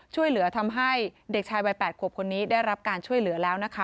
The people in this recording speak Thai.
ช่วยเหลือทำให้เด็กชายวัย๘ขวบคนนี้ได้รับการช่วยเหลือแล้วนะคะ